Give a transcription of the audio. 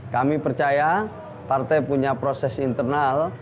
kami percaya partai punya proses internal